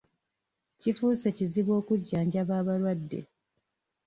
Kifuuse kizibu okujjanjaba abalwadde.